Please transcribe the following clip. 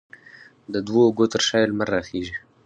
د دوو اوږو ترشا یې، لمر راخیژې